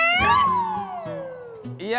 ianya udin langsung jalan ya